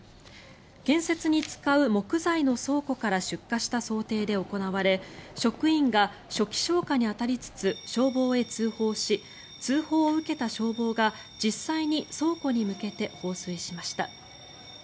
建設に使う木材の倉庫から出火した想定で行われ職員が初期消火に当たりつつ消防へ通報し通報を受けた消防が実際に倉庫に向けて放水しました。